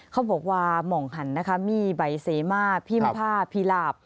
เขาบอกว่าหม่องหันนะคะมีใบเซมาพิมพ์ผ้าพีหลาบ